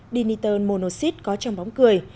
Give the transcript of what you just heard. dinitone monoxid có trong bóng cười